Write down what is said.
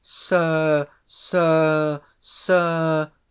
—Sir—Sir—Sir!